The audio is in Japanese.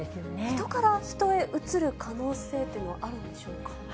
人から人へうつる可能性というのはあるんでしょうか。